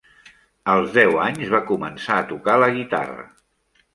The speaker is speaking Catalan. Als deu anys, va començar a tocar la guitarra.